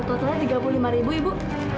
totalnya rp tiga puluh lima ibu